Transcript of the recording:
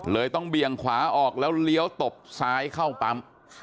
ต้องเบี่ยงขวาออกแล้วเลี้ยวตบซ้ายเข้าปั๊ม